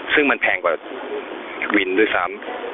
ซึ่งมันแพงกว่าวินด้วยซ้ำ